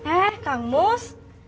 eh kang mus